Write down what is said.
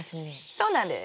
そうなんです。